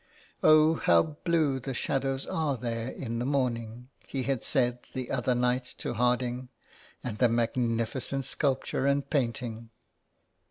" Oh, how blue the shadows are there in the morning," he had said the other night to Harding, " and the magnificent sculpture and painting